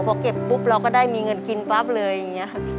พอเก็บปุ๊บเราก็ได้มีเงินกินปั๊บเลยอย่างนี้ครับ